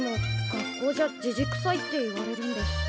学校じゃじじくさいって言われるんです。